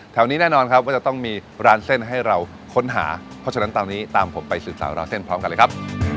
แน่นอนครับว่าจะต้องมีร้านเส้นให้เราค้นหาเพราะฉะนั้นตอนนี้ตามผมไปสืบสาวราวเส้นพร้อมกันเลยครับ